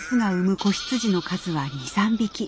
子羊の数は２３匹。